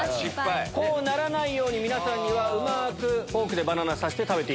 こうならないように皆さんにはうまくフォークでバナナ刺して食べていただく。